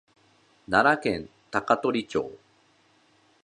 奈良県高取町